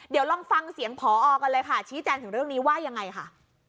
เดี๋ยวลองฟังเสียงพอกันเลยค่ะชี้แจงถึงเรื่องนี้ว่ายังไงค่ะ